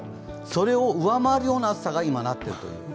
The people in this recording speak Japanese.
それを上回るような暑さに今、なっているという。